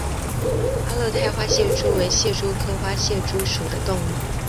阿勒泰花蟹蛛为蟹蛛科花蟹蛛属的动物。